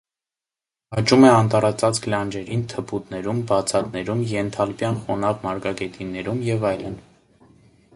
Աճում է անտառածածկ լանջերին, թփուտներում, բացատներում, ենթալպյան խոնավ մարգագետիններում և այլն։